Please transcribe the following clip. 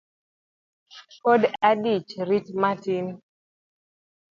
Pod adich rit matin